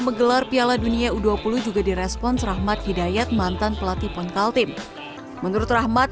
menggelar piala dunia u dua puluh juga di respons rahmat hidayat mantan pelatih poncaltim menurut rahmat